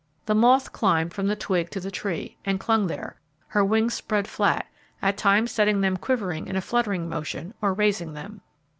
The moth climbed from the twig to the tree, and clung there, her wings spread flat, at times setting them quivering in a fluttering motion, or raising them.